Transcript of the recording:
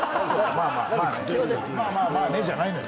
「まあまあまあね」じゃないのよ。